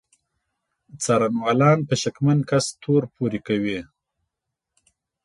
څارنوالان په شکمن کس تور پورې کوي.